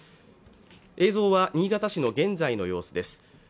映像は新潟市の現在の様子です。